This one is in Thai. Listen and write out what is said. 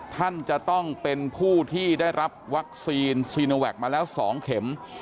ท่านจะต้องเป็นผู้ที่ได้รับวัคซีนซีโนแวคมาแล้ว๒เข็ม